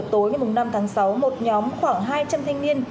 tối ngày năm tháng sáu một nhóm khoảng hai trăm linh thanh niên